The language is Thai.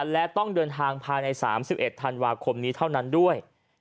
และต้องเดินทางภายใน๓๑ธันวาคมนี้เท่านั้นด้วย